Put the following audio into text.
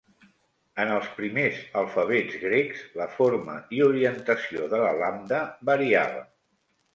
En els primers alfabets grecs, la forma i orientació de la lambda variava.